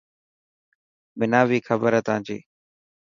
منا بي کبر هي تانجي.